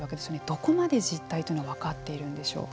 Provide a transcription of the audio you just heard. どこまで実態というのは分かっているんでしょうか。